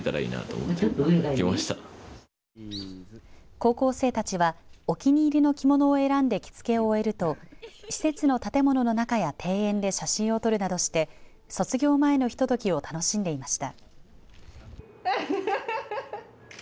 高校生たちは、お気に入りの着物を選んで着付けを終えると施設の建物の中や庭園で写真を撮るなどして卒業前のひとときを楽しんでいました。